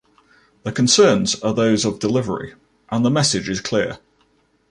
The concerns are those of delivery, and the message is clear.